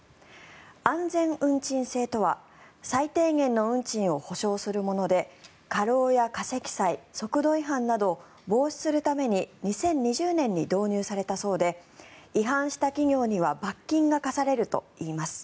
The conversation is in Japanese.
安全運賃制とは最低限の運賃を保証するもので過労や過積載、速度違反などを防止するために２０２０年に導入されたそうで違反した企業には罰金が科されるといいます。